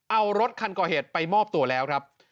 เอารถคันก่อเหตุไปมอบตัวแล้วครับ